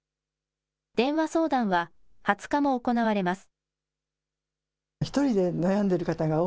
電話相談は２０日も行われます。